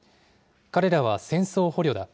彼らは戦争捕虜だ。